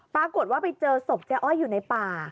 ปรากฏว่าไปเจอศพเจ๊อ้อยอยู่ในป่า